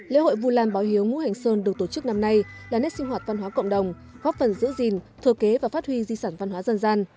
lễ hội vu lan báo hiếu ngũ hành sơn được tổ chức năm nay là nét sinh hoạt văn hóa cộng đồng góp phần giữ gìn thừa kế và phát huy di sản văn hóa dân gian